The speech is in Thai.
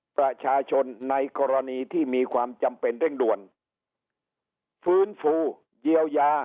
ประชาชนในกรณีที่มีความจำเป็นเร่งด่วนฟื้นฟูเยียวยา